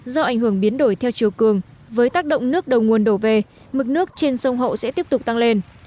do ảnh hưởng biến đổi theo chiều cường với tác động nước đầu nguồn đổ về mực nước trên sông hậu sẽ tiếp tục tăng lên